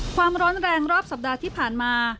ความร้อนแรงรอบสัปดาห์ที่ผ่านมา